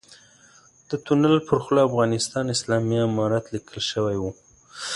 د تونل پر خوله افغانستان اسلامي امارت ليکل شوی و.